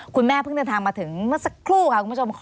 คุณแม่เพิ่งจะมาถึงสักครู่ค่ะคุณผู้ชม